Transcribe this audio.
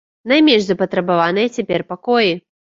Найменш запатрабаваныя цяпер пакоі.